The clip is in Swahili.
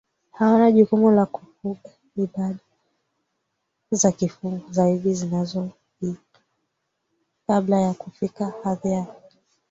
hawana jukumu la kufugaIbada za kifungu zaidi zinahitajika kabla ya kufikia hadhi ya